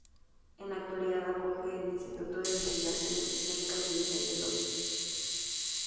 En la actualidad acoge el "Instituto de Investigaciones Históricas de Vicente López".